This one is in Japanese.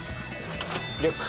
リュック。